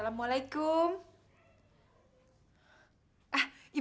dia harus kawin sama keponakan ku